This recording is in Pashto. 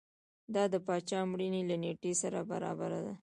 دا د پاچا مړینې له نېټې سره برابره ده.